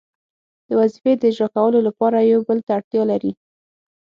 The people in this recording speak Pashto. د وظیفې د اجرا کولو لپاره یو بل ته اړتیا لري.